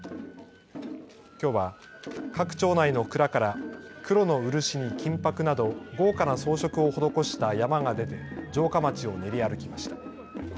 きょうは、各町内の蔵から黒の漆に金箔など豪華な装飾を施した山が出て城下町を練り歩きました。